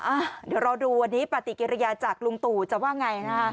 อ่ะเดี๋ยวรอดูวันนี้ปฏิกิริยาจากลุงตู่จะว่าไงนะฮะ